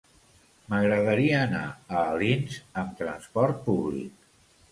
M'agradaria anar a Alins amb trasport públic.